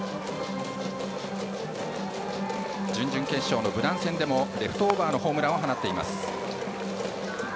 準々決勝の武南戦でもレフトオーバーを放っています。